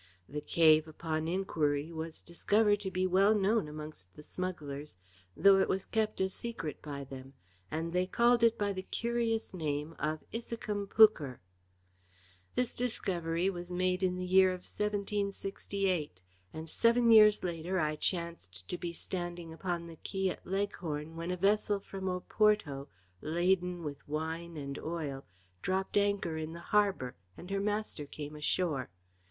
The cave, upon inquiry, was discovered to be well known amongst the smugglers, though it was kept a secret by them, and they called it by the curious name of Issachum Pucchar. This discovery was made in the year of 1768, and seven years later I chanced to be standing upon the quay at Leghorn when a vessel from Oporto, laden with wine and oil, dropped anchor in the harbour, and her master came ashore.